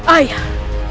ayah